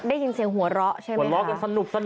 ได้ยินเสียงหัวเล่าใช่มั้ยคะหัวเล่ากันสนุกสนะ